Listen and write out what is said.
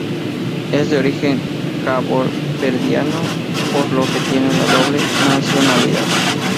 Es de origen caboverdiano, por lo que tiene la doble nacionalidad.